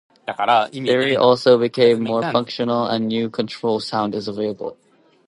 Siri also became more functional and new sound control is available.